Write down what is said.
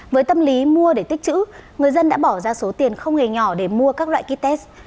với tâm lý mua để tích chữ người dân đã bỏ ra số tiền không nghề nhỏ để mua các loại kit test